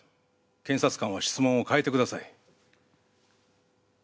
検察官は質問を変えてください。